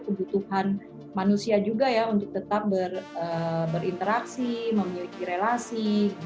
kebutuhan manusia juga ya untuk tetap berinteraksi memiliki relasi